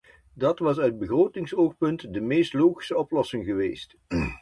Dat was uit begrotingsoogpunt de meest logische oplossing geweest.